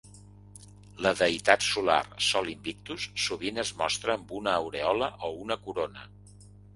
La deïtat solar Sol Invictus sovint es mostra amb una aureola o una corona.